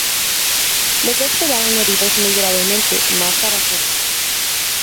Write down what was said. Los dos quedaron heridos muy gravemente, más Araceli.